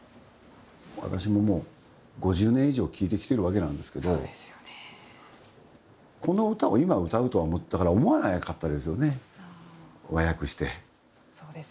私ももう５０年以上聴いてきてるわけなんですけどこの歌を今歌うとは思わなかったですよね和訳して。